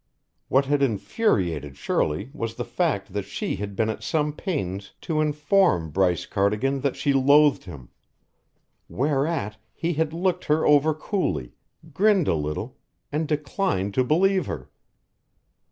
What had infuriated Shirley was the fact that she had been at some pains to inform Bryce Cardigan that she loathed him whereat he had looked her over coolly, grinned a little, and declined to believe her!